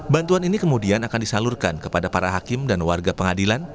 bantuan ini kemudian akan disalurkan kepada para hakim dan warga pengadilan